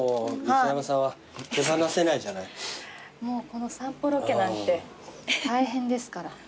もうこの散歩ロケなんて大変ですから。